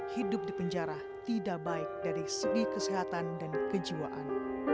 hidup di penjara tidak baik dari segi kesehatan dan kejiwaan